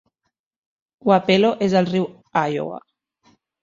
Wapello és al riu Iowa.